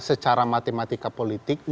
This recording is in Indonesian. secara matematika politik